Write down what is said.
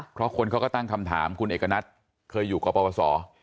เพราะคนเขาก็ตั้งคำถามคุณเอกณัฐเคยอยู่กับปปศ